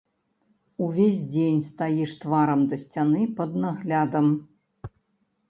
Увесь дзень стаіш тварам да сцяны пад наглядам.